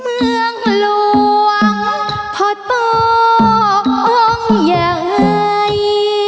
เมืองลวงพอต้องใหญ่